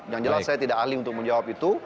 yang jelas saya tidak ahli untuk menjawab itu